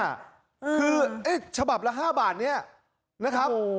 คือฉบับละ๕บาทเนี่ยนะครับ